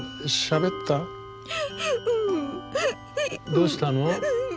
どうしたの？